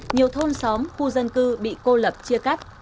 nhiều thôn xóm khu dân cư bị cô lập chia cắt